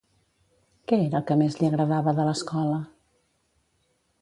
Què era el que més li agradava de l'escola?